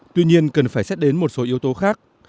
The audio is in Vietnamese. tuy nhiên cần phải xét đến một số yếu tố khác